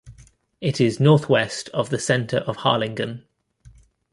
It is northwest of the center of Harlingen.